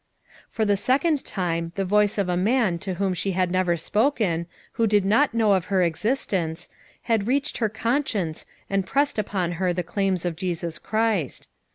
For the second time the voice of a man to whom she had never spoken, who did not know of her existence, had reached her conscience and pressed upon her the claims of Jesus Christ.